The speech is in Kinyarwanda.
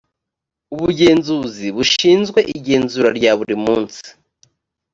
ubugenzuzi bushinzwe igenzura rya buri munsi